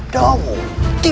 tidak bermaksud seperti itu